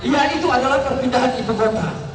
yaitu adalah perpindahan ibu kota